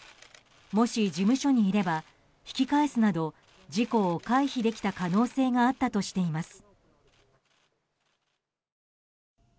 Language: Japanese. もし事務所にいれば引き返すなど、事故を回避できた可能性があったとしています。